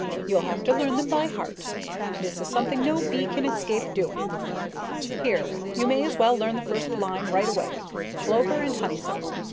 You'll have to learn them by heart. This is something no bee can escape doing. Here, you may as well learn the first line right away clover and honeysuckle.